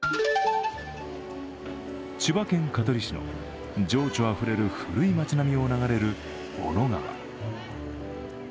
千葉県香取市の情緒あふれる古い町並みを流れる小野川。